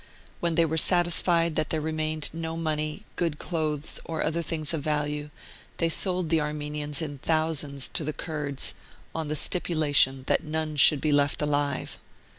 When they were satisfied that there remained no money, good clothes, or other things of value, they sold the Armenians in thou sands to the Kurds, on the stipulation that none should be left alive.